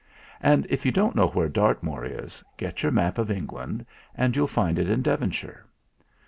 And if you don't know where Dart moor is, get your map of England, and you'll find it in Devonshire.